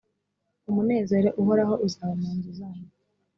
umunezero uhoraho uzaba mu nzu zanyu